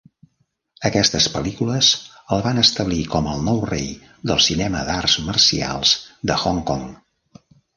Aquestes pel·lícules el van establir com el "nou rei" del cinema d'arts marcials de Hong Kong.